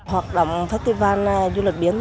hoạt động festival du lịch biển